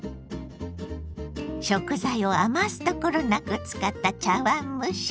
食材を余すところなく使った茶碗蒸し。